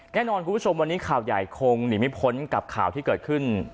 แน่นอนคุณผู้ชมวันนี้ข่าวใหญ่คงหนีไม่พ้นกับข่าวที่เกิดขึ้น